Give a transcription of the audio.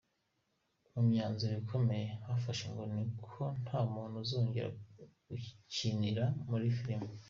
Mu myanzuro ikomeye yafashe ngo ni uko nta muntu azongera gukinira muri film.